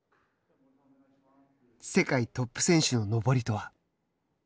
世界トップ選手の登りとは。